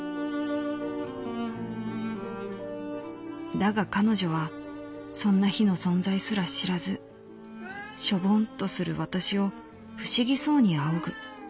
「だが彼女はそんな日の存在すら知らずしょぼんとする私を不思議そうに仰ぐ。